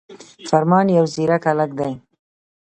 فرمان يو ځيرک هلک دی